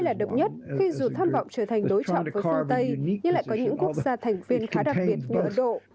là động nhất khi dù tham vọng trở thành đối trọng với phương tây nhưng lại có những quốc gia thành viên khá đặc biệt như ấn độ